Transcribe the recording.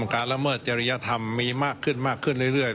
การละเมิดจริยธรรมมีมากขึ้นมากขึ้นเรื่อย